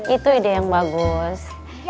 itu ide yang bagus